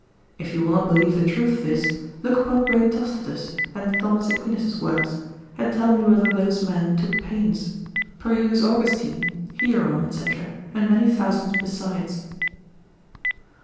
If you will not believe the truth of this, look upon great Tostatus and Thomas Aquinas's works, and tell me whether those men took pains? peruse Austin, Hierom, &c., and many thousands besides.